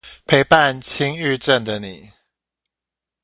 陪伴輕鬱症的你